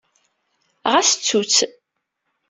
Ɣas ttut-tt.